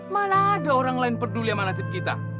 mana ada orang lain peduli sama nasib kita